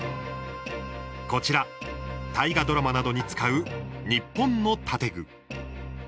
こちら大河ドラマなどに使う日本の建具。